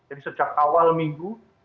jadi sejak awal minggu